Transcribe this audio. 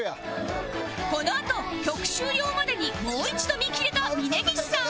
このあと曲終了までにもう一度見切れた峯岸さん